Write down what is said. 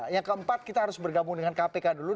yang keempat kita harus bergabung dengan kpk dulu